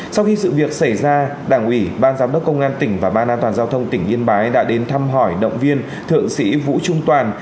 sau khi sự việc xảy ra đảng ủy ban giám đốc công an tỉnh và ban an toàn giao thông tỉnh yên bái đã đến thăm hỏi động viên thượng sĩ vũ trung toàn